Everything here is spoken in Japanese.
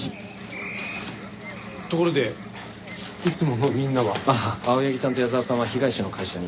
ところでいつものみんなは？ああ青柳さんと矢沢さんは被害者の会社に。